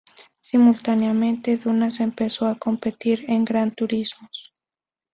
Simultáneamente, Dumas empezó a competir en gran turismos.